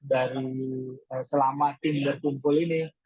dari selama tim berkumpul ini